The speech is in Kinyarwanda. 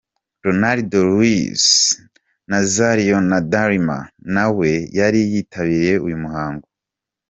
Ronaldo Luis Nazario da Lima nawe yari yitabiriye uyu muhango.